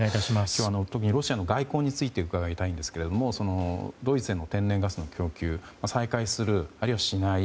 今日、特にロシアの外交について伺いたいんですけれどもドイツへの天然ガスへの供給再開するあるいはしない。